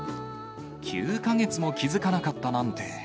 ９か月も気付かなかったなんて。